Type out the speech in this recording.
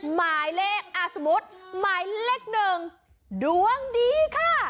หมายเลขสมมุติหมายเลขหนึ่งดวงดีค่ะ